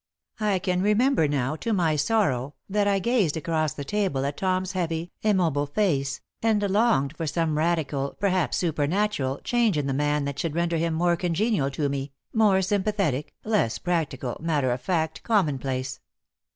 I can remember now, to my sorrow, that I gazed across the table at Tom's heavy, immobile face, and longed for some radical, perhaps supernatural, change in the man that should render him more congenial to me, more sympathetic, less practical, matter of fact, commonplace.